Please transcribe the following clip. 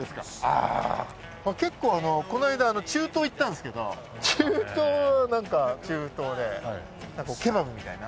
ああ結構あのこの間中東行ったんですけど中東はなんか中東でケバブみたいな。